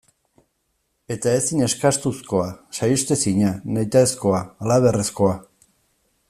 Eta ezin eskastuzkoa, saihetsezina, nahitaezkoa, halabeharrezkoa.